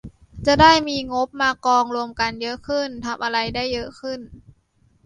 จะได้มีงบมากองรวมกันเยอะขึ้น ทำอะไรได้เยอะขึ้น